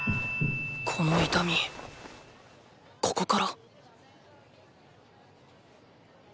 この痛みここから！